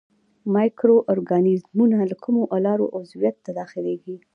مایکرو ارګانیزمونه له کومو لارو عضویت ته داخليږي.